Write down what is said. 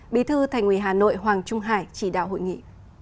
bí thư thành ủy hà nội hoàng trung hải chỉ đạo hội nghị